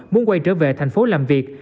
muốn quay trở về thành phố làm việc